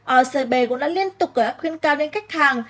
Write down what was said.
ocb cũng đã liên tục khuyên cao đến khách hàng